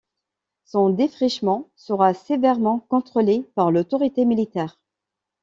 Son défrichement sera sévèrement contrôlé par l'autorité militaire.